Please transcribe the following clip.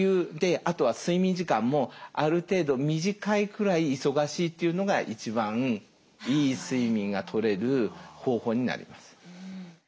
あとは睡眠時間もある程度短いくらい忙しいっていうのが一番いい睡眠がとれる方法になります。